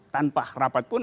tanpa rapat pun